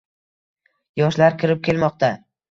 yoshlar kirib kelmoqda;